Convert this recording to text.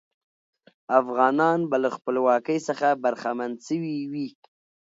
افغانان به له خپلواکۍ څخه برخمن سوي وي.